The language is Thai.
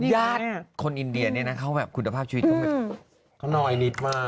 ยาดคนอินเดียเขาคุณภาพชีวิต